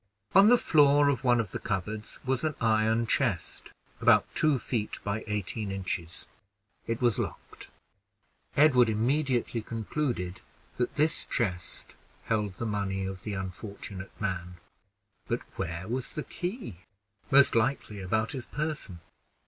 On the floor of one of the cupboards was an iron chest about two feet by eighteen inches. It was locked. Edward immediately concluded that this chest held the money of the unfortunate man; but where was the key? Most likely about his person.